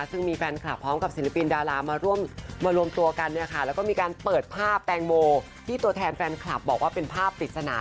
ซึ่งมีแฟนคลับพร้อมกับศิลปินดารามารวมตัวกันเนี่ยค่ะแล้วก็มีการเปิดภาพแตงโมที่ตัวแทนแฟนคลับบอกว่าเป็นภาพปริศนา